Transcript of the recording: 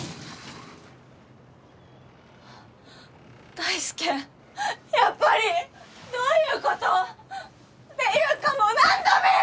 大介やっぱり！どういうこと？っていうかもう何度目よ！？